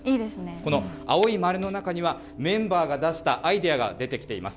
この青い丸の中には、メンバーが出したアイデアが出てきています。